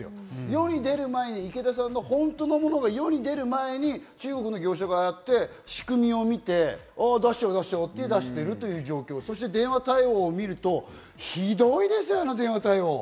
世に出る前に池田さんの本当の物が世に出る前に中国の業者がああやって仕組みを見て出しちゃおうという状況、電話対応を見ると、ひどいですよね、あの電話対応。